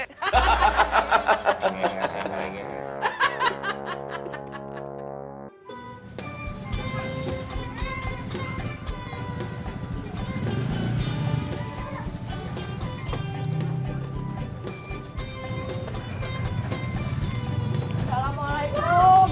ini tuh berbeda